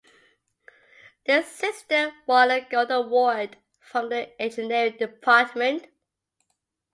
This system won a gold award from the Engineering department.